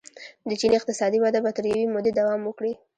د چین اقتصادي وده به تر یوې مودې دوام وکړي.